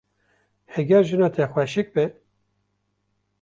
Heger jina te xweşik be.